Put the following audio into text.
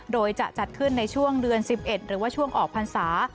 โดยจะจัดขึ้นในช่วงเดือน๑๑หรือว่าช่วงออกพรรษา